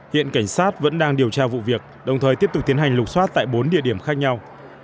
hiện cảnh sát vẫn đang điều tra vụ việc đồng thời tiếp tục tiến hành lục xoát tại bốn địa điểm khác nhau